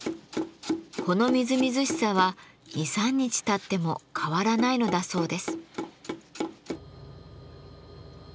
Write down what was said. このみずみずしさは２３日たっても変わらないのだそうです。